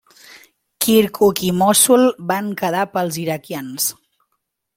Kirkuk i Mossul van quedar pels iraquians.